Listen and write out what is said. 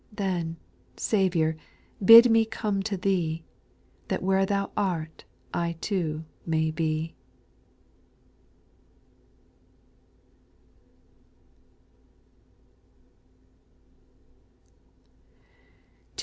Then, Saviour, bid me come to Thee, That where Thou art I too may be.